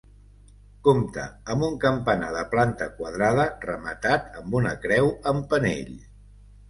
Compta amb un campanar de planta quadrada rematat amb una creu amb penell.